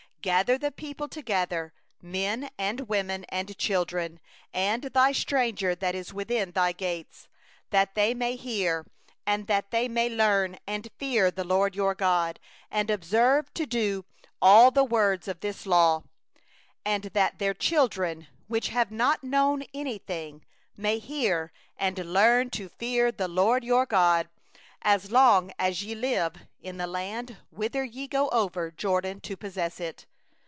12Assemble the people, the men and the women and the little ones, and thy stranger that is within thy gates, that they may hear, and that they may learn, and fear the LORD your God, and observe to do all the words of this law; 13and that their children, who have not known, may hear, and learn to fear the LORD your God, as long as ye live in the land whither ye go over the Jordan to possess it.